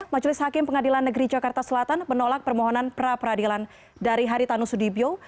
majelis hakim pengadilan negeri jakarta selatan menolak permohonan pra peradilan dari haritanu sudibyo